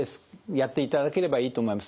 やっていただければいいと思います。